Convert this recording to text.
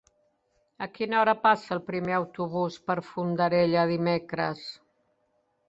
A quina hora passa el primer autobús per Fondarella dimecres?